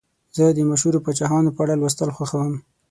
زه د مشهورو پاچاهانو په اړه لوستل خوښوم.